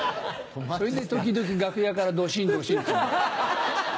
それで時々楽屋からドシンドシンっていう。